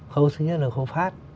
khâu thứ nhất là khâu phát